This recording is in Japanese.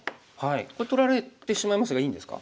これ取られてしまいますがいいんですか？